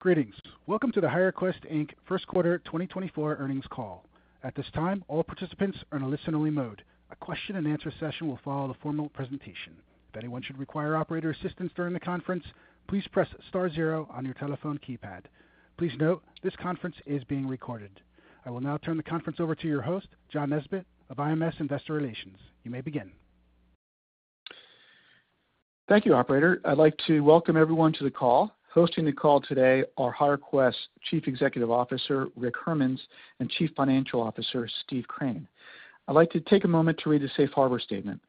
Greetings. Welcome to the HireQuest Inc. first quarter 2024 earnings call. At this time, all participants are in a listen-only mode. A question-and-answer session will follow the formal presentation. If anyone should require operator assistance during the conference, please press star 0 on your telephone keypad. Please note, this conference is being recorded. I will now turn the conference over to your host, John Nesbett of IMS Investor Relations. You may begin. Thank you, operator. I'd like to welcome everyone to the call. Hosting the call today are HireQuest Chief Executive Officer Rick Hermanns and Chief Financial Officer Steve Crane. I'd like to take a moment to read the Safe Harbor Statement.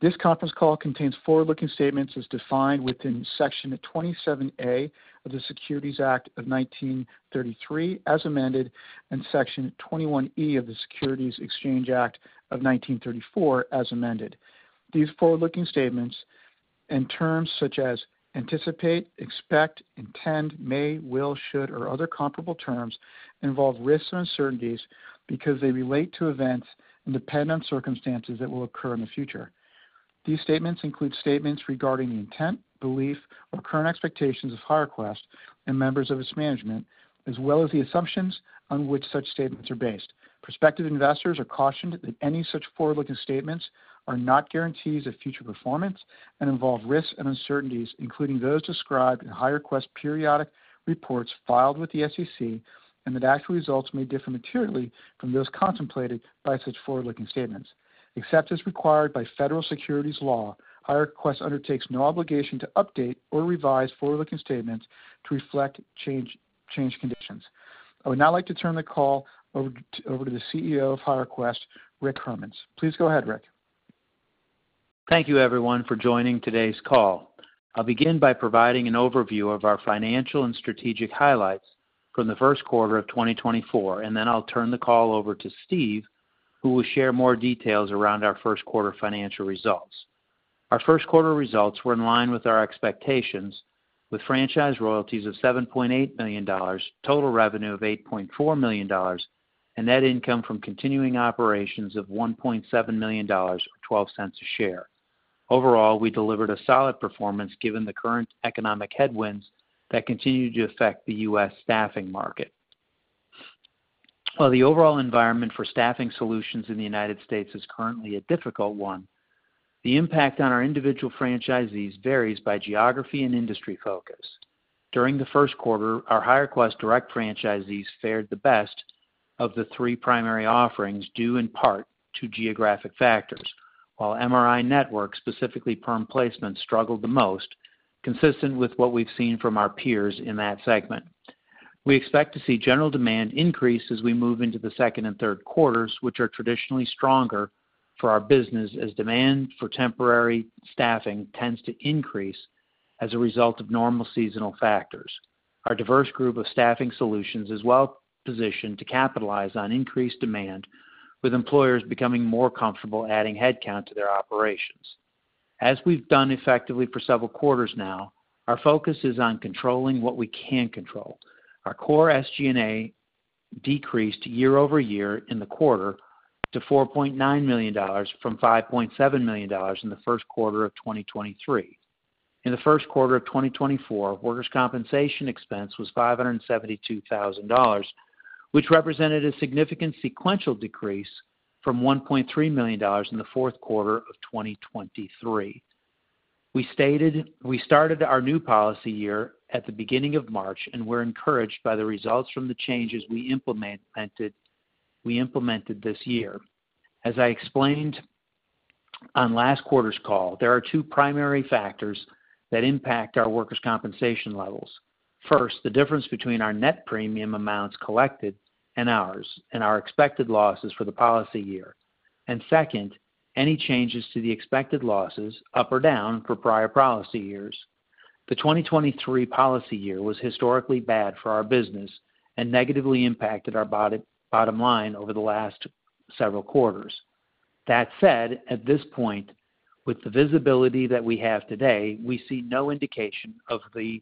This conference call contains forward-looking statements as defined within Section 27A of the Securities Act of 1933 as amended and Section 21E of the Securities Exchange Act of 1934 as amended. These forward-looking statements and terms such as anticipate, expect, intend, may, will, should, or other comparable terms involve risks and uncertainties because they relate to events and depend on circumstances that will occur in the future. These statements include statements regarding the intent, belief, or current expectations of HireQuest and members of its management, as well as the assumptions on which such statements are based. Prospective investors are cautioned that any such forward-looking statements are not guarantees of future performance and involve risks and uncertainties, including those described in HireQuest's periodic reports filed with the SEC, and that actual results may differ materially from those contemplated by such forward-looking statements. Except as required by federal securities law, HireQuest undertakes no obligation to update or revise forward-looking statements to reflect changed conditions. I would now like to turn the call over to the CEO of HireQuest, Rick Hermanns. Please go ahead, Rick. Thank you, everyone, for joining today's call. I'll begin by providing an overview of our financial and strategic highlights from the first quarter of 2024, and then I'll turn the call over to Steve, who will share more details around our first quarter financial results. Our first quarter results were in line with our expectations, with franchise royalties of $7.8 million, total revenue of $8.4 million, and net income from continuing operations of $1.7 million or $0.12 a share. Overall, we delivered a solid performance given the current economic headwinds that continue to affect the U.S. staffing market. While the overall environment for staffing solutions in the United States is currently a difficult one, the impact on our individual franchisees varies by geography and industry focus. During the first quarter, our HireQuest Direct franchisees fared the best of the three primary offerings due in part to geographic factors, while MRINetwork, specifically perm placement, struggled the most, consistent with what we've seen from our peers in that segment. We expect to see general demand increase as we move into the second and third quarters, which are traditionally stronger for our business as demand for temporary staffing tends to increase as a result of normal seasonal factors. Our diverse group of staffing solutions is well positioned to capitalize on increased demand, with employers becoming more comfortable adding headcount to their operations. As we've done effectively for several quarters now, our focus is on controlling what we can control. Our core SG&A decreased year-over-year in the quarter to $4.9 million from $5.7 million in the first quarter of 2023. In the first quarter of 2024, workers' compensation expense was $572,000, which represented a significant sequential decrease from $1.3 million in the fourth quarter of 2023. We started our new policy year at the beginning of March, and we're encouraged by the results from the changes we implemented this year. As I explained on last quarter's call, there are two primary factors that impact our workers' compensation levels. First, the difference between our net premium amounts collected and ours, and our expected losses for the policy year. Second, any changes to the expected losses, up or down, for prior policy years. The 2023 policy year was historically bad for our business and negatively impacted our bottom line over the last several quarters. That said, at this point, with the visibility that we have today, we see no indication of the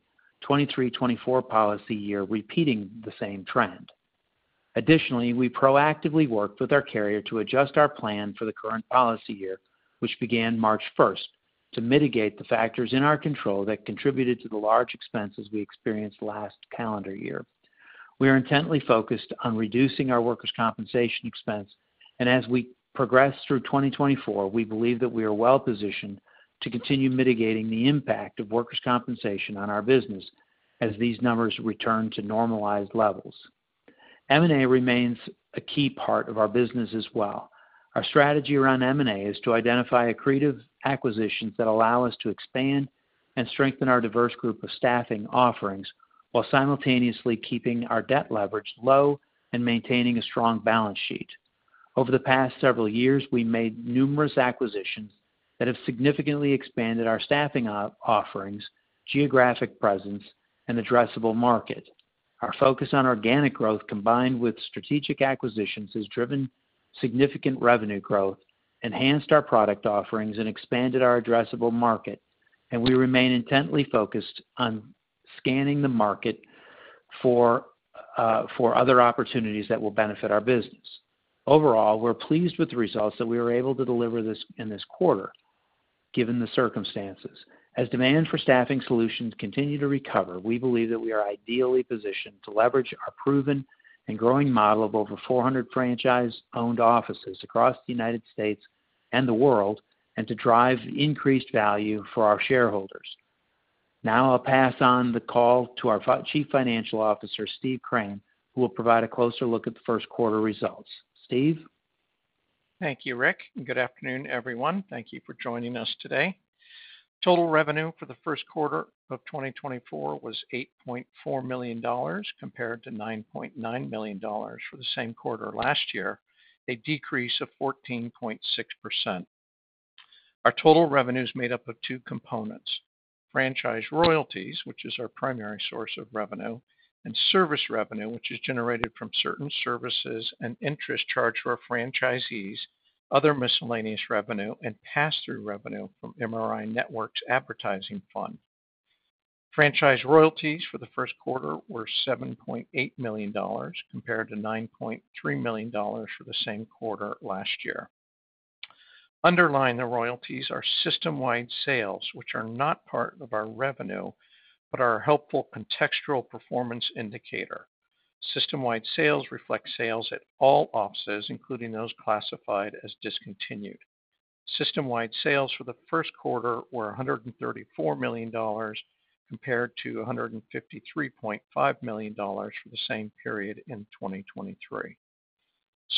2023-2024 policy year repeating the same trend. Additionally, we proactively worked with our carrier to adjust our plan for the current policy year, which began March 1st, to mitigate the factors in our control that contributed to the large expenses we experienced last calendar year. We are intently focused on reducing our workers' compensation expense, and as we progress through 2024, we believe that we are well positioned to continue mitigating the impact of workers' compensation on our business as these numbers return to normalized levels. M&A remains a key part of our business as well. Our strategy around M&A is to identify accretive acquisitions that allow us to expand and strengthen our diverse group of staffing offerings while simultaneously keeping our debt leverage low and maintaining a strong balance sheet. Over the past several years, we made numerous acquisitions that have significantly expanded our staffing offerings, geographic presence, and addressable market. Our focus on organic growth combined with strategic acquisitions has driven significant revenue growth, enhanced our product offerings, and expanded our addressable market, and we remain intently focused on scanning the market for other opportunities that will benefit our business. Overall, we're pleased with the results that we were able to deliver in this quarter given the circumstances. As demand for staffing solutions continue to recover, we believe that we are ideally positioned to leverage our proven and growing model of over 400 franchise-owned offices across the United States and the world and to drive increased value for our shareholders. Now I'll pass on the call to our Chief Financial Officer, Steve Crane, who will provide a closer look at the first quarter results. Steve? Thank you, Rick. Good afternoon, everyone. Thank you for joining us today. Total revenue for the first quarter of 2024 was $8.4 million compared to $9.9 million for the same quarter last year, a decrease of 14.6%. Our total revenue is made up of two components: franchise royalties, which is our primary source of revenue, and service revenue, which is generated from certain services and interest charged to our franchisees, other miscellaneous revenue, and pass-through revenue from MRINetwork's advertising fund. Franchise royalties for the first quarter were $7.8 million compared to $9.3 million for the same quarter last year. Underlying the royalties are system-wide sales, which are not part of our revenue but are a helpful contextual performance indicator. System-wide sales reflect sales at all offices, including those classified as discontinued. System-wide sales for the first quarter were $134 million compared to $153.5 million for the same period in 2023.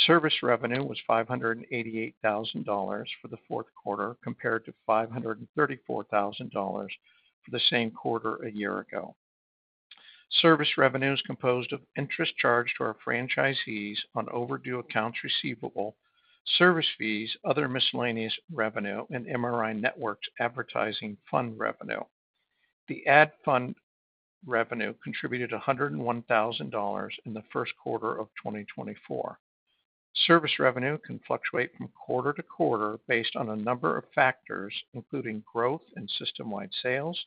Service revenue was $588,000 for the fourth quarter compared to $534,000 for the same quarter a year ago. Service revenue is composed of interest charged to our franchisees on overdue accounts receivable, service fees, other miscellaneous revenue, and MRINetwork's advertising fund revenue. The ad fund revenue contributed $101,000 in the first quarter of 2024. Service revenue can fluctuate from quarter to quarter based on a number of factors, including growth in system-wide sales,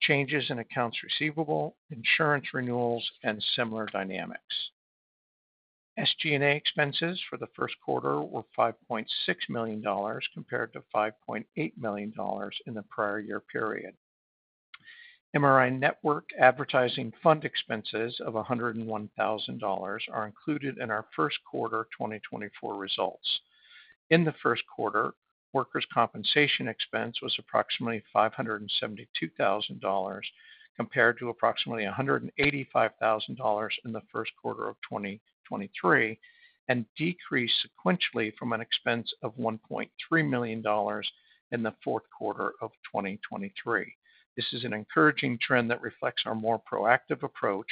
changes in accounts receivable, insurance renewals, and similar dynamics. SG&A expenses for the first quarter were $5.6 million compared to $5.8 million in the prior year period. MRINetwork advertising fund expenses of $101,000 are included in our first quarter 2024 results. In the first quarter, workers' compensation expense was approximately $572,000 compared to approximately $185,000 in the first quarter of 2023 and decreased sequentially from an expense of $1.3 million in the fourth quarter of 2023. This is an encouraging trend that reflects our more proactive approach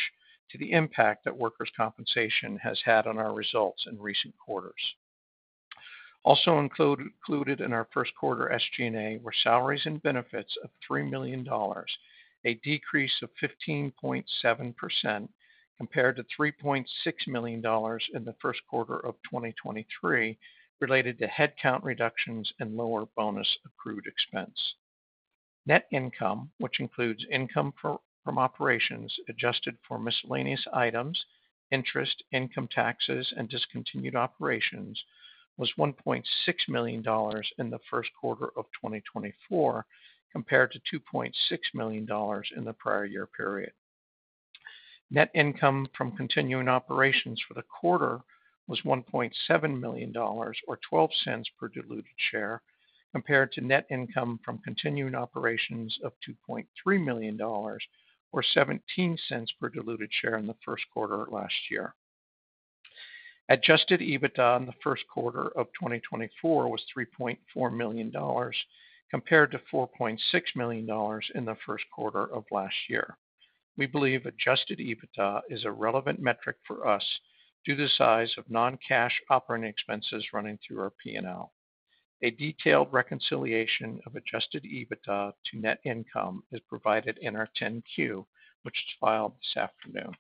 to the impact that workers' compensation has had on our results in recent quarters. Also included in our first quarter SG&A were salaries and benefits of $3 million, a decrease of 15.7% compared to $3.6 million in the first quarter of 2023 related to headcount reductions and lower bonus accrued expense. Net income, which includes income from operations adjusted for miscellaneous items, interest, income taxes, and discontinued operations, was $1.6 million in the first quarter of 2024 compared to $2.6 million in the prior year period. Net income from continuing operations for the quarter was $1.7 million or $0.12 per diluted share compared to net income from continuing operations of $2.3 million or $0.17 per diluted share in the first quarter last year. Adjusted EBITDA in the first quarter of 2024 was $3.4 million compared to $4.6 million in the first quarter of last year. We believe adjusted EBITDA is a relevant metric for us due to the size of non-cash operating expenses running through our P&L. A detailed reconciliation of adjusted EBITDA to net income is provided in our 10-Q, which is filed this afternoon.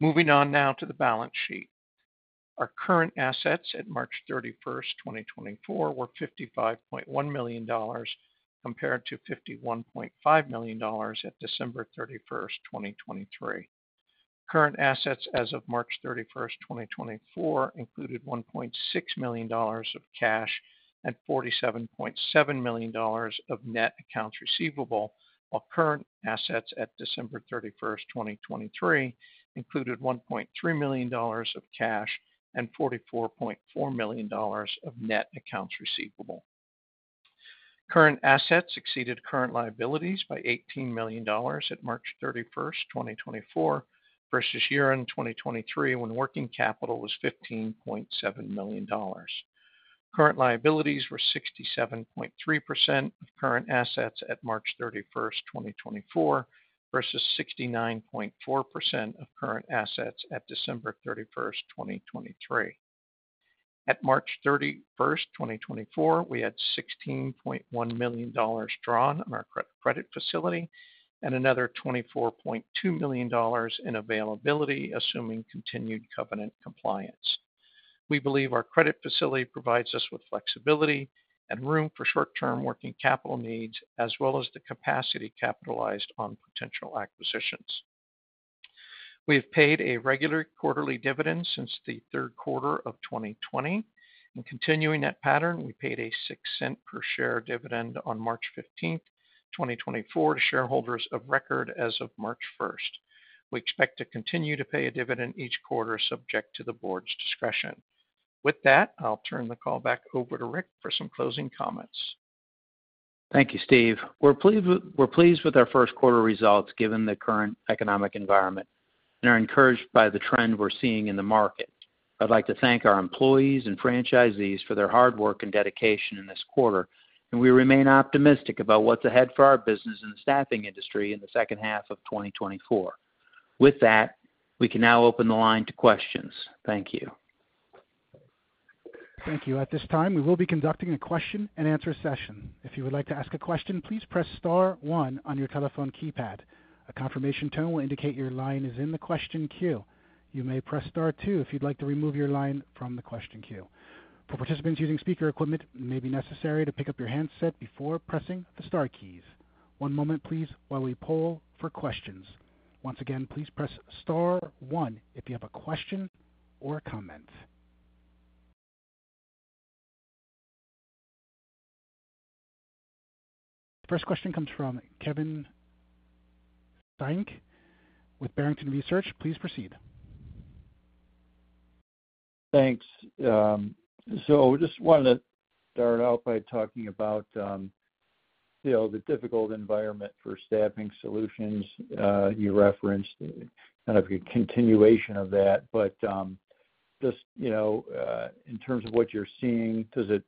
Moving on now to the balance sheet. Our current assets at March 31st, 2024, were $55.1 million compared to $51.5 million at December 31st, 2023. Current assets as of March 31st, 2024, included $1.6 million of cash and $47.7 million of net accounts receivable, while current assets at December 31st, 2023, included $1.3 million of cash and $44.4 million of net accounts receivable. Current assets exceeded current liabilities by $18 million at March 31st, 2024, versus year-end 2023 when working capital was $15.7 million. Current liabilities were 67.3% of current assets at March 31st, 2024, versus 69.4% of current assets at December 31st, 2023. At March 31st, 2024, we had $16.1 million drawn on our credit facility and another $24.2 million in availability, assuming continued covenant compliance. We believe our credit facility provides us with flexibility and room for short-term working capital needs as well as the capacity capitalized on potential acquisitions. We have paid a regular quarterly dividend since the third quarter of 2020. In continuing that pattern, we paid a $0.06 per share dividend on March 15th, 2024, to shareholders of record as of March 1st. We expect to continue to pay a dividend each quarter, subject to the board's discretion. With that, I'll turn the call back over to Rick for some closing comments. Thank you, Steve. We're pleased with our first quarter results given the current economic environment and are encouraged by the trend we're seeing in the market. I'd like to thank our employees and franchisees for their hard work and dedication in this quarter, and we remain optimistic about what's ahead for our business and the staffing industry in the second half of 2024. With that, we can now open the line to questions. Thank you. Thank you. At this time, we will be conducting a question-and-answer session. If you would like to ask a question, please press star one on your telephone keypad. A confirmation tone will indicate your line is in the question queue. You may press star two if you'd like to remove your line from the question queue. For participants using speaker equipment, it may be necessary to pick up your handset before pressing the star keys. One moment, please, while we poll for questions. Once again, please press star one if you have a question or comment. First question comes from Kevin Steinke with Barrington Research. Please proceed. Thanks. So I just wanted to start out by talking about the difficult environment for staffing solutions you referenced, kind of a continuation of that. But just in terms of what you're seeing, does it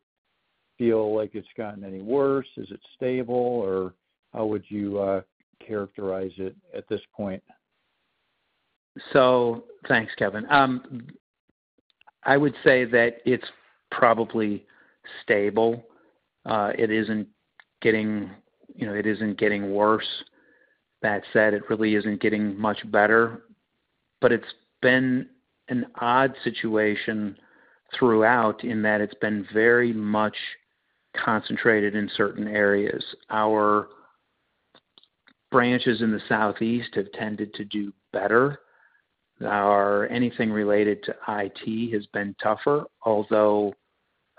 feel like it's gotten any worse? Is it stable, or how would you characterize it at this point? So thanks, Kevin. I would say that it's probably stable. It isn't getting worse. That said, it really isn't getting much better. But it's been an odd situation throughout in that it's been very much concentrated in certain areas. Our branches in the Southeast have tended to do better. Anything related to IT has been tougher,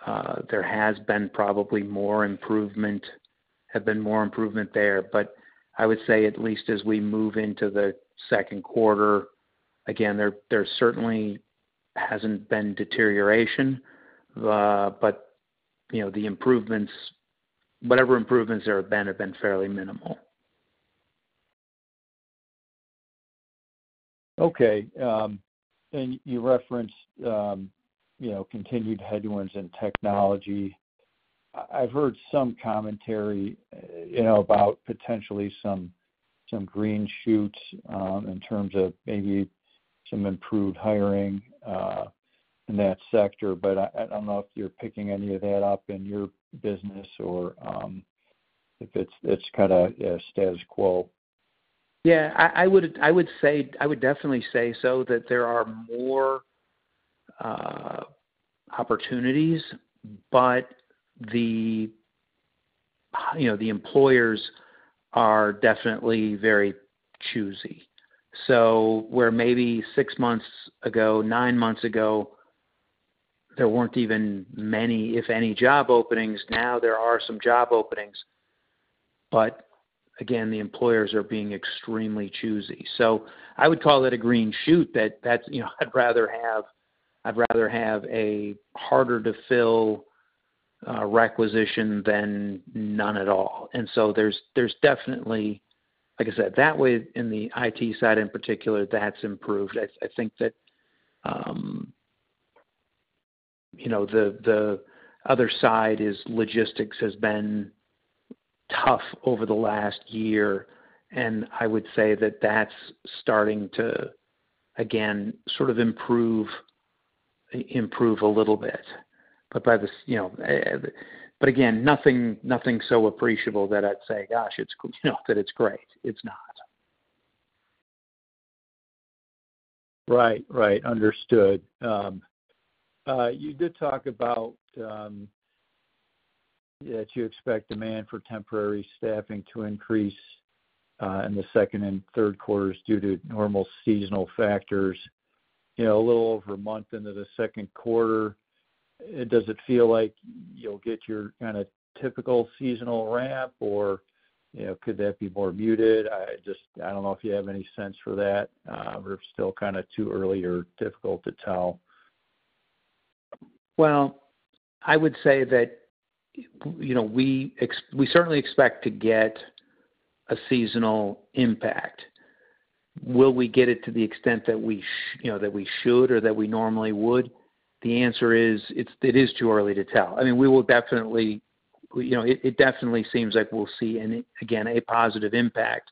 although there has been probably more improvement. There have been more improvement there. But I would say, at least as we move into the second quarter, again, there certainly hasn't been deterioration. But the improvements, whatever improvements there have been, have been fairly minimal. Okay. You referenced continued headwinds in technology. I've heard some commentary about potentially some green shoots in terms of maybe some improved hiring in that sector, but I don't know if you're picking any of that up in your business or if it's kind of status quo. Yeah. I would definitely say so that there are more opportunities, but the employers are definitely very choosy. So where maybe six months ago, nine months ago, there weren't even many, if any, job openings, now there are some job openings. But again, the employers are being extremely choosy. So I would call that a green shoot that I'd rather have a harder-to-fill requisition than none at all. And so there's definitely, like I said, that way in the IT side in particular, that's improved. I think that the other side, logistics, has been tough over the last year, and I would say that that's starting to, again, sort of improve a little bit. But again, nothing so appreciable that I'd say, "Gosh, that it's great." It's not. Right. Right. Understood. You did talk about that you expect demand for temporary staffing to increase in the second and third quarters due to normal seasonal factors. A little over a month into the second quarter, does it feel like you'll get your kind of typical seasonal ramp, or could that be more muted? I don't know if you have any sense for that or if it's still kind of too early or difficult to tell. Well, I would say that we certainly expect to get a seasonal impact. Will we get it to the extent that we should or that we normally would? The answer is it is too early to tell. I mean, it definitely seems like we'll see, again, a positive impact.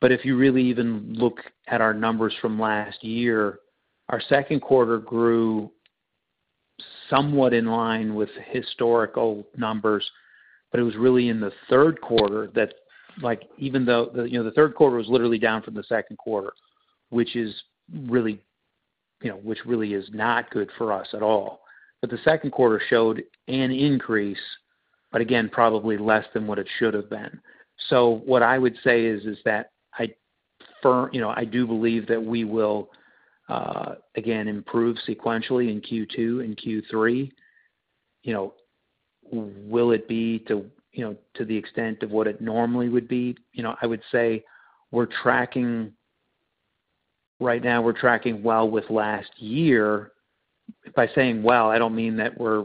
But if you really even look at our numbers from last year, our second quarter grew somewhat in line with historical numbers, but it was really in the third quarter that even though the third quarter was literally down from the second quarter, which really is not good for us at all. But the second quarter showed an increase, but again, probably less than what it should have been. So what I would say is that I do believe that we will, again, improve sequentially in Q2 and Q3. Will it be to the extent of what it normally would be? I would say right now, we're tracking well with last year. By saying well, I don't mean that we're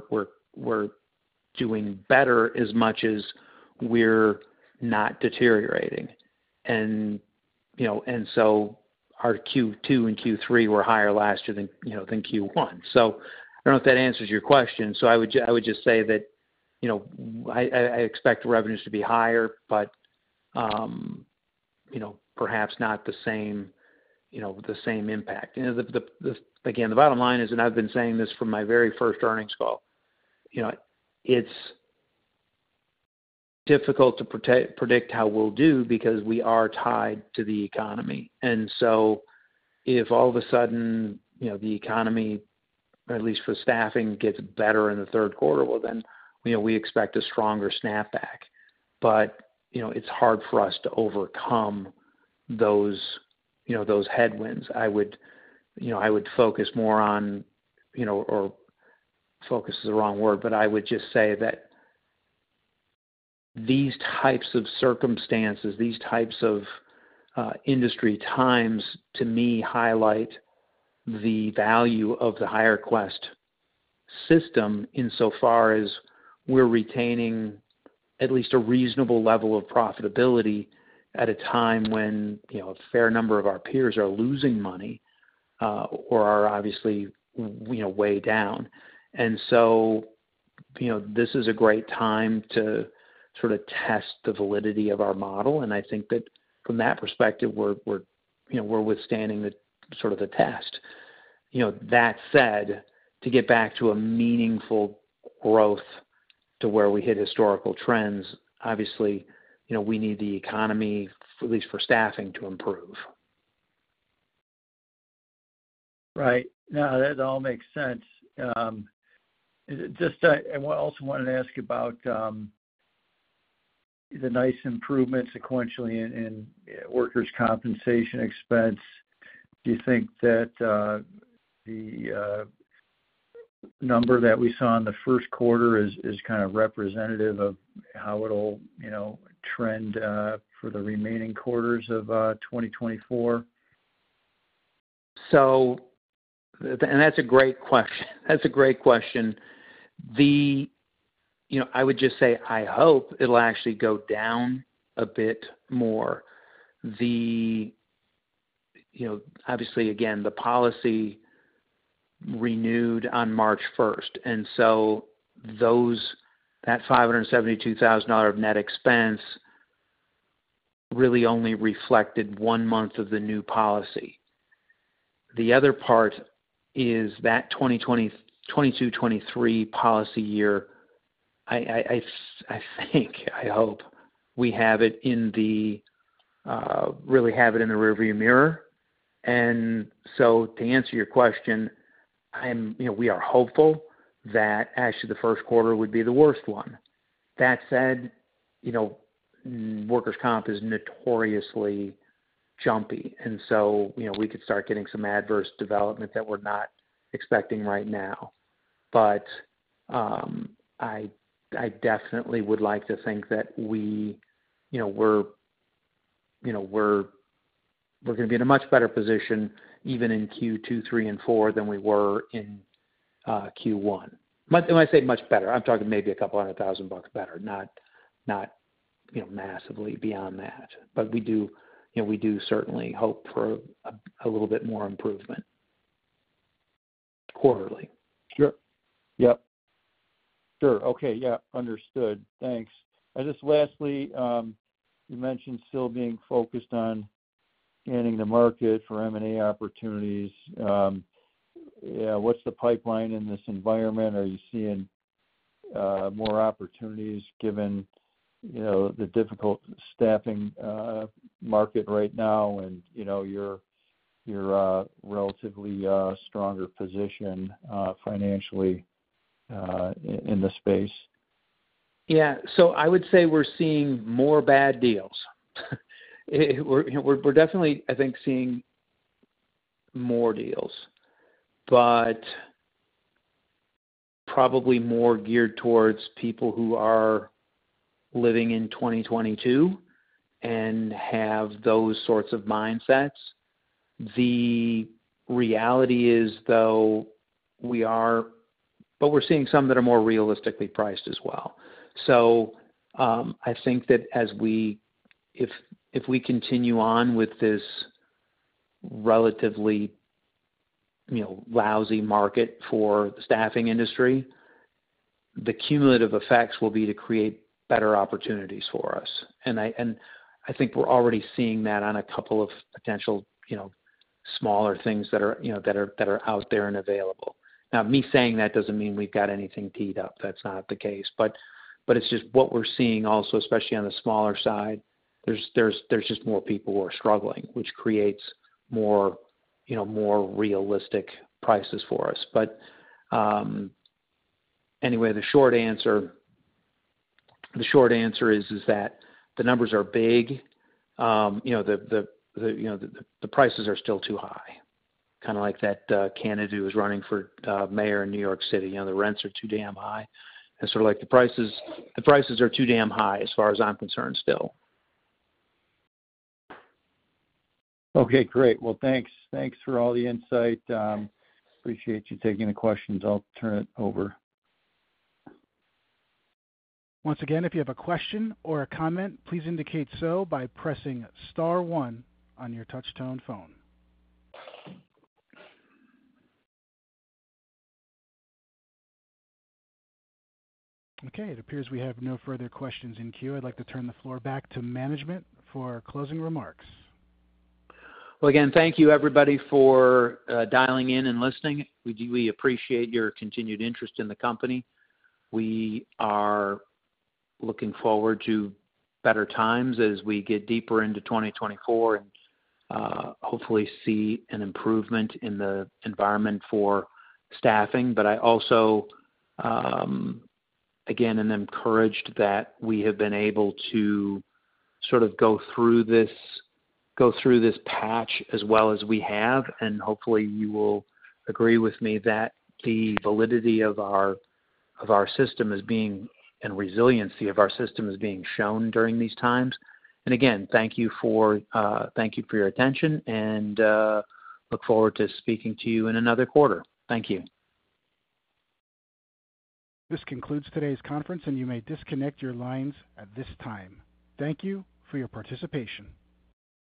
doing better as much as we're not deteriorating. And so our Q2 and Q3 were higher last year than Q1. So I don't know if that answers your question. So I would just say that I expect revenues to be higher, but perhaps not the same impact. Again, the bottom line is, and I've been saying this from my very first earnings call, it's difficult to predict how we'll do because we are tied to the economy. And so if all of a sudden the economy, at least for staffing, gets better in the third quarter, well, then we expect a stronger snapback. But it's hard for us to overcome those headwinds. I would focus more on or focus is the wrong word, but I would just say that these types of circumstances, these types of industry times, to me, highlight the value of the HireQuest system insofar as we're retaining at least a reasonable level of profitability at a time when a fair number of our peers are losing money or are obviously way down. And so this is a great time to sort of test the validity of our model, and I think that from that perspective, we're withstanding sort of the test. That said, to get back to a meaningful growth to where we hit historical trends, obviously, we need the economy, at least for staffing, to improve. Right. No, that all makes sense. I also wanted to ask about the nice improvements sequentially in workers' compensation expense. Do you think that the number that we saw in the first quarter is kind of representative of how it'll trend for the remaining quarters of 2024? That's a great question. That's a great question. I would just say I hope it'll actually go down a bit more. Obviously, again, the policy renewed on March 1st. And so that $572,000 of net expense really only reflected one month of the new policy. The other part is that 2022-2023 policy year, I think, I hope, we have it in the rearview mirror. And so to answer your question, we are hopeful that actually the first quarter would be the worst one. That said, workers' comp is notoriously jumpy, and so we could start getting some adverse development that we're not expecting right now. But I definitely would like to think that we're going to be in a much better position even in Q2, Q3, and Q4 than we were in Q1. When I say much better, I'm talking maybe $200,000 better, not massively beyond that. But we do certainly hope for a little bit more improvement quarterly. Sure. Yep. Sure. Okay. Yeah. Understood. Thanks. And just lastly, you mentioned still being focused on gaining the market for M&A opportunities. What's the pipeline in this environment? Are you seeing more opportunities given the difficult staffing market right now and your relatively stronger position financially in the space? Yeah. So I would say we're seeing more bad deals. We're definitely, I think, seeing more deals, but probably more geared towards people who are living in 2022 and have those sorts of mindsets. The reality is, though, we are, but we're seeing some that are more realistically priced as well. So I think that if we continue on with this relatively lousy market for the staffing industry, the cumulative effects will be to create better opportunities for us. And I think we're already seeing that on a couple of potential smaller things that are out there and available. Now, me saying that doesn't mean we've got anything teed up. That's not the case. But it's just what we're seeing also, especially on the smaller side, there's just more people who are struggling, which creates more realistic prices for us. But anyway, the short answer is that the numbers are big. The prices are still too high, kind of like that candidate who is running for mayor in New York City. The rents are too damn high. And sort of like the prices are too damn high as far as I'm concerned still. Okay. Great. Well, thanks. Thanks for all the insight. Appreciate you taking the questions. I'll turn it over. Once again, if you have a question or a comment, please indicate so by pressing star 1 on your touch-tone phone. Okay. It appears we have no further questions in queue. I'd like to turn the floor back to management for closing remarks. Well, again, thank you, everybody, for dialing in and listening. We appreciate your continued interest in the company. We are looking forward to better times as we get deeper into 2024 and hopefully see an improvement in the environment for staffing. But I also, again, am encouraged that we have been able to sort of go through this patch as well as we have. And hopefully, you will agree with me that the validity of our system is being and resiliency of our system is being shown during these times. And again, thank you for your attention, and look forward to speaking to you in another quarter. Thank you. This concludes today's conference, and you may disconnect your lines at this time. Thank you for your participation.